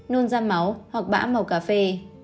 nôn da máu hoặc bã màu cà phê